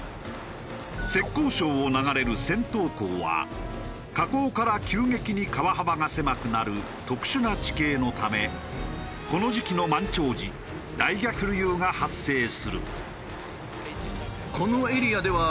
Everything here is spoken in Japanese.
浙江省を流れる銭塘江は河口から急激に川幅が狭くなる特殊な地形のためこの時期の満潮時大逆流が発生する。